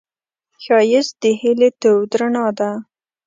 ښایست د هیلې تود رڼا ده